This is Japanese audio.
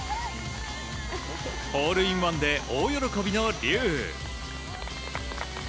ホールインワンで大喜びの笠。